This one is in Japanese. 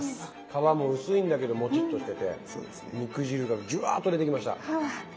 皮も薄いんだけどもちっとしてて肉汁がジュワーッと出てきました。